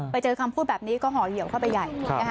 ไปเจอคำพูดแบบนี้ก็ห่อเหี่ยวเข้าไปใหญ่